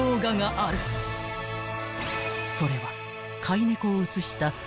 ［それは］